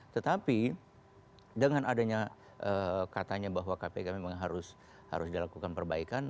tetapi dengan adanya katanya bahwa kpk memang harus dilakukan perbaikan